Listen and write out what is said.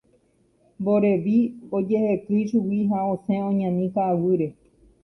Mborevi ojehekýi chugui ha osẽ oñani ka'aguýre.